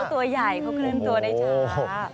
ตัวใหญ่เขาเคลื่อนตัวได้ช้า